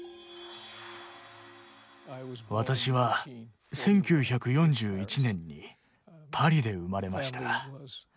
私は１９４１年にパリで生まれました。